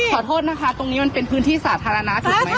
ขอโทษนะคะตรงนี้มันเป็นพื้นที่สาธารณะถูกไหมค